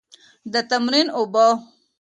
د تمرین اوبه.